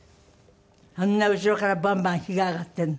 あんな後ろからバンバン火が上がっているの？